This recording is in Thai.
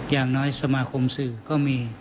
อย่างน้อยสมาคมสื่อก็มี